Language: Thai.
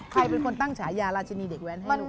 ใครเป็นคนตั้งฉายาราชินีเด็กแว้นให้ลูก